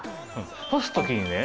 干す時にね